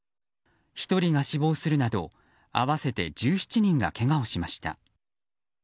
１人が死亡するなど合わせて１７人がけがをしました。